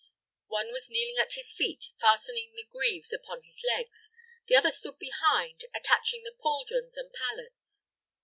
One was kneeling at his feet, fastening the greaves upon his legs; the other stood behind, attaching the pauldrons and pallets.